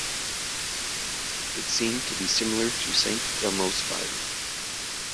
It seemed to be similar to Saint Elmo's Fire.